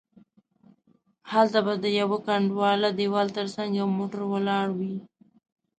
هلته به د یوه کنډواله دیوال تر څنګه یو موټر ولاړ وي.